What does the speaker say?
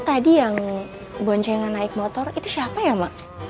tadi yang boncengan naik motor itu siapa ya mak